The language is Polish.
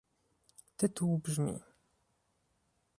Tytuł brzmi